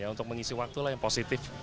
untuk mengisi waktu lah yang positif